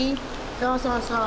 そうそうそう。